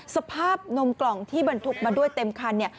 สภาพนมกล่องที่บรรทุกมาด้วยเต็มคันเนี่ย